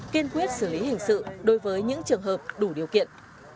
kiên quyết xử lý hình sự đối với những trường hợp đủ điều kiện